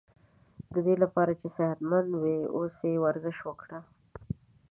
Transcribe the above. ددی لپاره چی صحت مند و اوسی ورزش وکړه